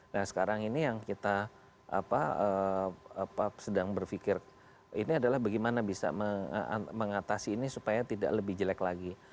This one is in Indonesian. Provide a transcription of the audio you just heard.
nah sekarang ini yang kita sedang berpikir ini adalah bagaimana bisa mengatasi ini supaya tidak lebih jelek lagi